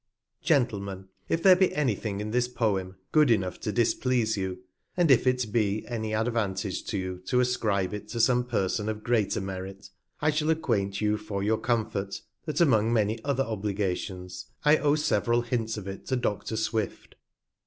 Gentlemen, If there be any thing in this Poem, good enough to displease you, and if it be any Advantage to you to ascribe it to some Person of greater Merit > I shall acquaint you for your Comfort, that among *5 many other Obligations, I owe several Hints of it to Dr. Swift.